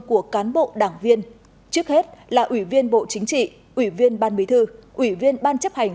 của cán bộ đảng viên trước hết là ủy viên bộ chính trị ủy viên ban bí thư ủy viên ban chấp hành